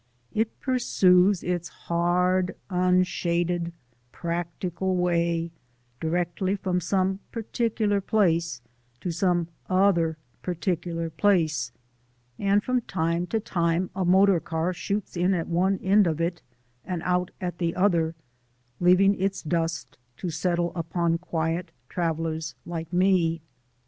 It pursues its hard, unshaded, practical way directly from some particular place to some other particular place and from time to time a motor car shoots in at one end of it and out at the other, leaving its dust to settle upon quiet travellers like me.